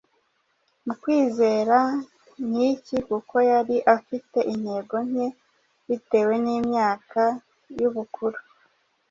mu kwizera nk’iki kuko yari afite intege nke bitewe n’imyaka y’ubukuru,